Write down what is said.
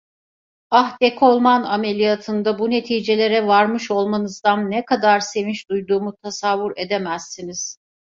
Ah, dekolman ameliyatında bu neticelere varmış olmanızdan ne kadar sevinç duyduğumu tasavvur edemezsiniz.